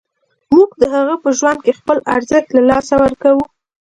موږ د هغه په ژوند کې خپل ارزښت له لاسه ورکوو.